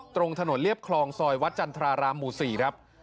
ตรงถนนเรียบคลองซอยวัดจันทรารามหมู่๔ครับ